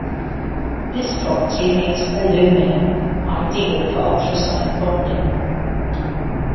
This property makes aluminum ideal for ultrasonic bonding.